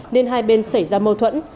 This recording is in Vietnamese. nên hai bên xảy ra mâu thuẫn